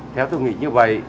theo tôi nghĩ như vậy